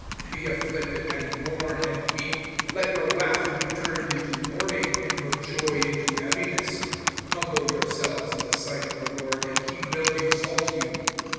(9)Be afflicted, and mourn, and weep; let your laughter be turned into mourning, and your joy into heaviness. (10)Humble yourselves in the sight of the Lord, and he will exalt you.